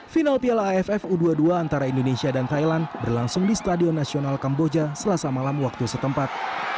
final piala aff u dua puluh dua antara indonesia dan thailand berlangsung di stadion nasional kamboja selasa malam waktu setempat